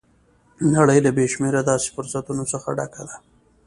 نړۍ له بې شمېره داسې فرصتونو څخه ډکه ده